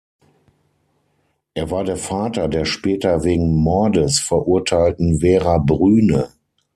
Er war der Vater der später wegen Mordes verurteilten Vera Brühne.